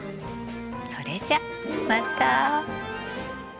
それじゃまた。